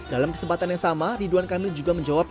dalam kesempatan yang sama ridwan kamil juga menjawab